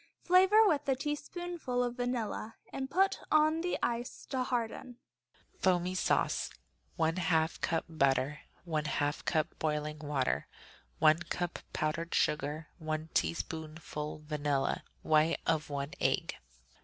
Flavor with a teaspoonful of vanilla and put on the ice to harden. Foamy Sauce 1/2 cup butter. 1/2 cup boiling water. 1 cup powdered sugar. 1 teaspoonful vanilla. White of one egg.